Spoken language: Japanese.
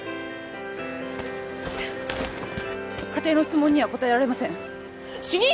仮定の質問には答えられません主任！